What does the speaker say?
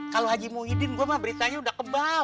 kalo aji muhyiddin gue mah beritanya udah kebal